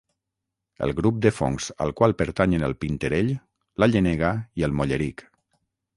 El grup de fongs al qual pertanyen el pinetell, la llenega i el molleric.